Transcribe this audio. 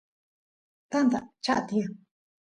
tanta chaa tiyan